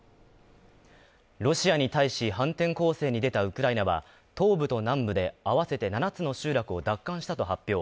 ロシアに対し反転攻勢に出たウクライナは、東部と南部で合わせて７つの集落を奪還したと発表。